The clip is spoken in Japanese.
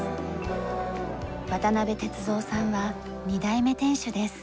渡辺哲三さんは２代目店主です。